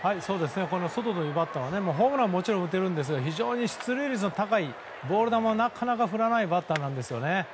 このソトというバッターはホームランはもちろん打てるんですが非常に出塁率の高いボール球をなかなか振らないバッターなんですね。